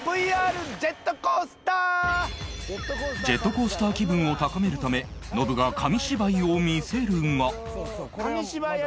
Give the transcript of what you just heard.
ジェットコースター気分を高めるためノブが紙芝居を見せるが